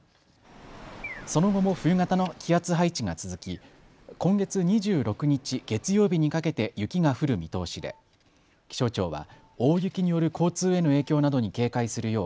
その後も冬型の気圧配置が続き今月２６日月曜日にかけて雪が降る見通しで気象庁は大雪による交通への影響などに警戒するよう